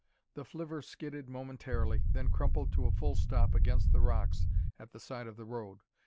The flivver skidded momentarily, then crumpled to a full stop against the rocks at the side of the road.